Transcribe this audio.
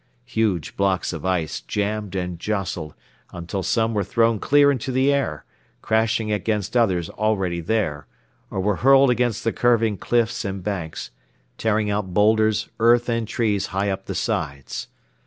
Huge blocks of ice jammed and jostled until some were thrown clear into the air, crashing against others already there, or were hurled against the curving cliffs and banks, tearing out boulders, earth and trees high up the sides.